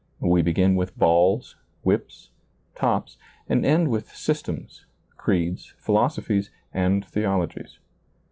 We begin with balls, whips, tops, and end with systems, creeds, philosophies, and theologies.